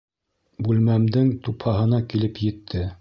Бүлмәмдең тупһаһына килеп етте.